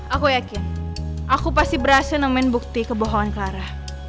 aku yakin aku pasti berhasil nemenin bukti kebohongan clara